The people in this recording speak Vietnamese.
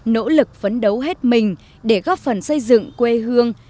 nỗ lực phấn đấu hết mình để góp phần xây dựng quê hương